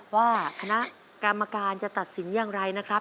ว่าคณะกรรมการจะตัดสินอย่างไรนะครับ